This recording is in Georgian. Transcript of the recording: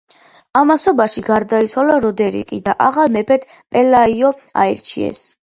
ამასობაში გარდაიცვალა როდერიკი და ახალ მეფედ პელაიო აირჩიეს.